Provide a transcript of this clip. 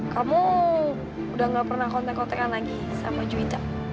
kamu udah gak pernah kontak kontakan lagi sama juwita